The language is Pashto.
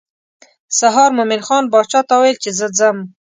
سهار مومن خان باچا ته وویل چې زه ځم.